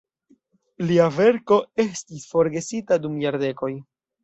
Lia verko estis forgesita dum jardekoj.